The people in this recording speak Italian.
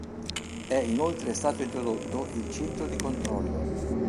È inoltre stato introdotto il Centro di Controllo.